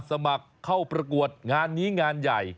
สมัครเข้าประกวดงานนี้งานใหญ่